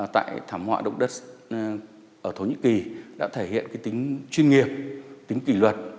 tại thảm họa động đất ở thổ nhĩ kỳ đã thể hiện tính chuyên nghiệp tính kỷ luật